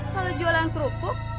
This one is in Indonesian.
kalau jualan kerupuk